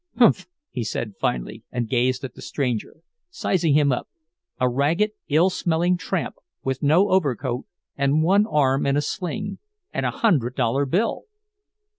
"Humph," he said, finally, and gazed at the stranger, sizing him up—a ragged, ill smelling tramp, with no overcoat and one arm in a sling—and a hundred dollar bill!